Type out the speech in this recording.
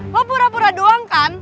kok pura pura doang kan